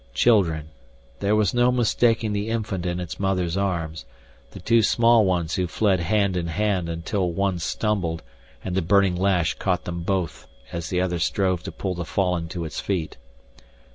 Children! There was no mistaking the infant in its mother's arms, the two small ones who fled hand in hand until one stumbled and the burning lash caught them both as the other strove to pull the fallen to its feet.